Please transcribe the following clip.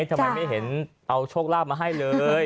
ทำไมไม่เห็นเอาโชคลาภมาให้เลย